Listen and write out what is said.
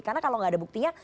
karena kalau gak ada buktinya